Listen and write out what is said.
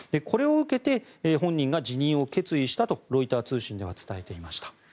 これを受けて本人が辞任を決意したとロイター通信では伝えていました。